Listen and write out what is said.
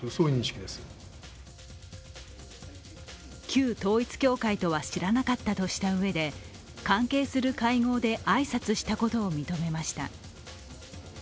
旧統一教会とは知らなかったとしたうえで関係する会合で挨拶したことを認めました。